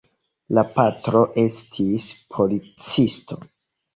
La patro estis policisto.